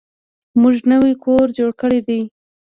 موږ نوی کور جوړ کړی دی.